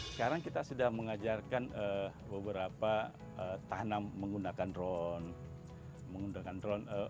sekarang kita sudah mengajarkan beberapa tanam menggunakan drone